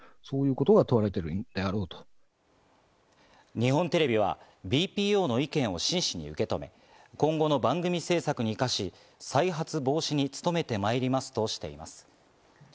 日本テレビはＢＰＯの意見を真摯に受け止め、今後の番組制作に生かし、再発防止に努めてまいりますとしています。